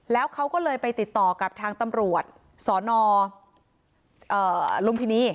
แล้วเขาก็เลยไปติดต่อกับทางตำรวจสนลุมพินี